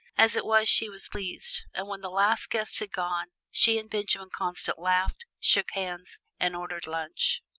As it was she was pleased, and when the last guest had gone she and Benjamin Constant laughed, shook hands, and ordered lunch.